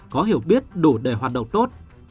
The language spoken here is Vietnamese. có hiểu biết đủ để hoạt động tốt